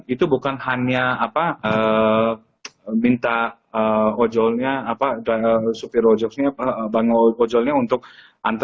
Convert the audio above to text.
itu bukan hanya minta ojolnya supir ojolnya bangun ojolnya untuk antar mantar